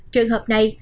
trường hợp này